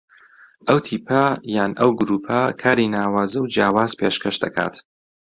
ئەو تیپە یان ئەو گرووپە کاری ناوازە و جیاواز پێشکەش دەکات